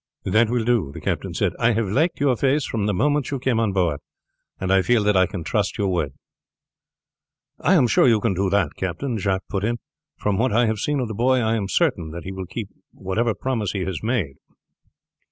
"That will do," the captain said. "I have liked your face from the moment you came on board, and feel that I can trust your word." "I am sure you can do that, captain," Jacques put in; "from what I have seen of the boy I am certain he will keep the promise he has made."